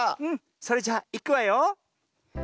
うんそれじゃあいくわよ。